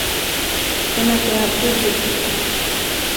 Den värker alltid, vet du ju.